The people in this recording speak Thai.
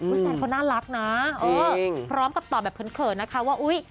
แฟนเขาน่ารักนะเออพร้อมกับตอบแบบเขินนะคะว่าอุ๊ย